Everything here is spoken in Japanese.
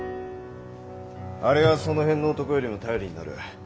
あれはその辺の男よりも頼りになる。